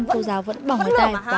bây giờ xin lỗi cái gì mà xin lỗi